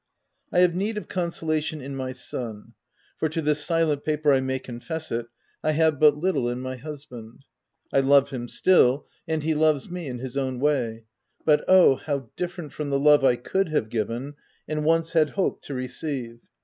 I have need of consolation in my son, for (to this silent paper I may confess it) I have but little in my husband. I love him still ; and he loves me, in his own way — but oh, how different from the love I could have given, and once had hoped to receive